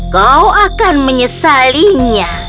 kau akan menyesalinya